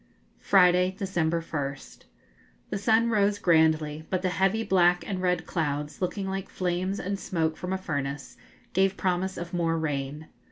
Friday, December 1st. The sun rose grandly, but the heavy black and red clouds, looking like flames and smoke from a furnace, gave promise of more rain.